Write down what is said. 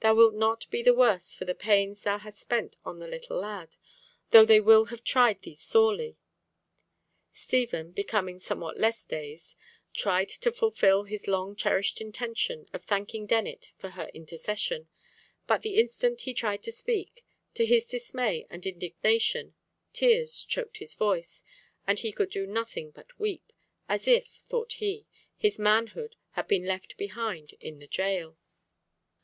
Thou wilt not be the worse for the pains thou hast spent on the little lad, though they have tried thee sorely." Stephen, becoming somewhat less dazed, tried to fulfil his long cherished intention of thanking Dennet for her intercession, but the instant he tried to speak, to his dismay and indignation, tears choked his voice, and he could do nothing but weep, as if, thought he, his manhood had been left behind in the jail.